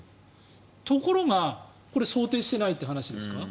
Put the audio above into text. ところが、これを想定していないって話ですか？